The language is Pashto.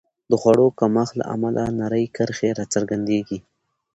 د خوړو کمښت له امله نرۍ کرښې راڅرګندېږي.